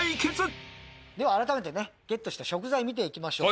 あらためてねゲットした食材見ていきましょう。